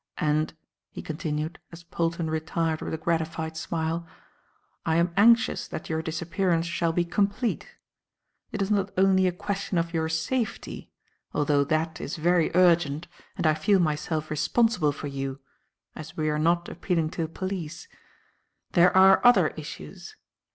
And," he continued, as Polton retired with a gratified smile, "I am anxious that your disappearance shall be complete. It is not only a question of your safety although that is very urgent, and I feel myself responsible for you, as we are not appealing to the police. There are other issues.